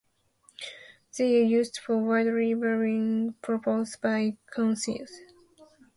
They are used for widely varying purposes by councils.